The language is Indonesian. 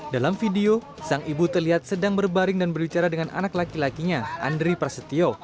dalam video sang ibu terlihat sedang berbaring dan berbicara dengan anak laki lakinya andri prasetyo